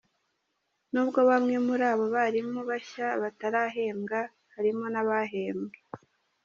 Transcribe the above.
Nubwo bamwe muri abo barimu bashya batarahembwa harimo n’abahembwe.